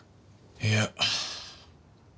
いや。